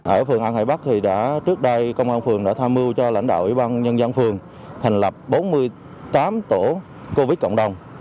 ở phường an hải bắc thì trước đây công an phường đã tham mưu cho lãnh đạo ủy ban nhân dân phường thành lập bốn mươi tám tổ covid cộng đồng